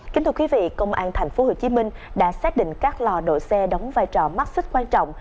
kính thưa quý vị công an tp hcm đã xác định các lò độ xe đóng vai trò mắt xích quan trọng